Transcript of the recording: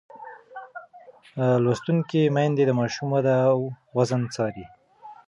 لوستې میندې د ماشوم وده او وزن څاري.